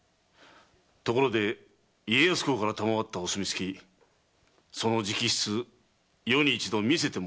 ところで家康公から賜ったお墨付きその直筆余に一度見せてもらえぬか？